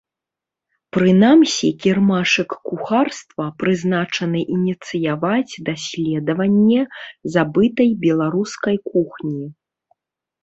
Прынамсі кірмашык кухарства прызначаны ініцыяваць даследаванне забытай беларускай кухні.